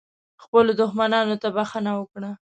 خپلو دښمنانو ته بښنه وکړه .